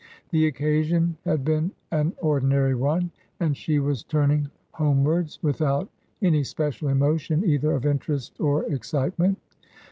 The occasion had been an ordinary one, and she was turning homewards without any special emotion either of interest or excitement.